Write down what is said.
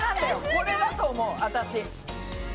これだと思う私。